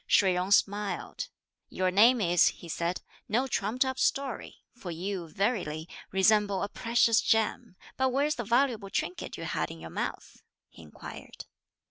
Shih Jung smiled. "Your name is," he said, "no trumped up story; for you, verily, resemble a precious gem; but where's the valuable trinket you had in your mouth?" he inquired.